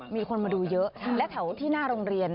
มีคนมาดูเยอะและแถวที่หน้าโรงเรียน